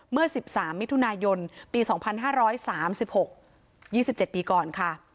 เมื่อ๑๓มิถุนายนปี๒๕๓๖๒๗ปีก่อนค่ะ